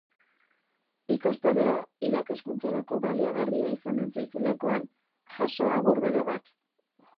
Ikastaroa irakaskuntzarako baliagarria izanen zaizulakoan, jaso agur bero bat.